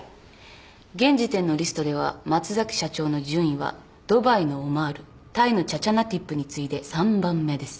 現時点のリストでは松崎社長の順位はドバイのオマールタイのチャチャナティップに次いで３番目です。